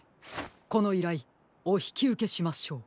このいらいおひきうけしましょう。